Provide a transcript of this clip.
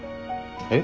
えっ？